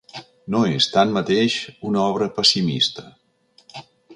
No és, tanmateix, una obra pessimista.